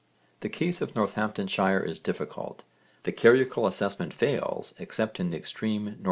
The case of Northamptonshire is difficult. The carucal assessment fails except in the extreme N.E.